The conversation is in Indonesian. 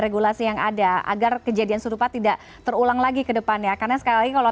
regulasi yang ada agar kejadian serupa tidak terulang lagi ke depannya karena sekali kalau